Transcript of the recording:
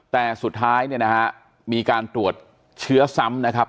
แต่สุดท้ายเนี่ยนะฮะมีการตรวจเชื้อซ้ำนะครับ